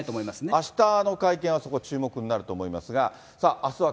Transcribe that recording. あしたの会見は、そこ、注目になると思いますが。